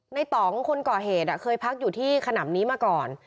ต่องคนก่อเหตุเคยพักอยู่ที่ขนำนี้มาก่อน